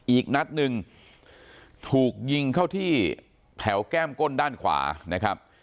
อีกนัดหนึ่งถูกยิงเข้าที่แถวแก้มก้นด้านขวานะครับ